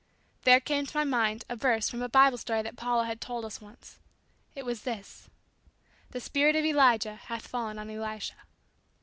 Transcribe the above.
There came to my mind a verse from a Bible story that Paula had told us once. It was this: "The spirit of Elijah hath fallen on Elisha."